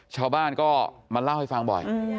ชาวบ้านก็มาเล่าให้ฟังบ่อย